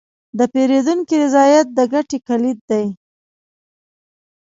د پیرودونکي رضایت د ګټې کلید دی.